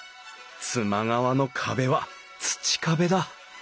妻側の壁は土壁だ。